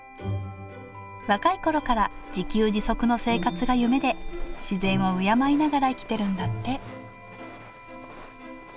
若いころから自給自足の生活が夢で自然を敬いながら生きてるんだって